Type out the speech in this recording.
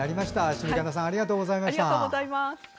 シミかなさんありがとうございました。